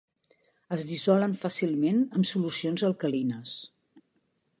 Es dissolen fàcilment en solucions alcalines.